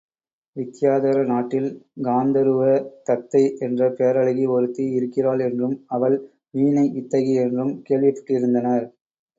வித்தியாதர நாட்டில் காந்தருவ தத்தை என்ற பேரழகி ஒருத்தி இருக்கிறாள் என்றும், அவள் வீணை வித்தகி என்றும் கேள்விப்பட்டிருந்தனர்.